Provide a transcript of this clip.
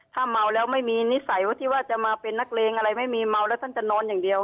ถ้าเมาแล้วไม่มีนิสัยว่าที่ว่าจะมาเป็นนักเลงอะไรไม่มีเมาแล้วท่านจะนอนอย่างเดียว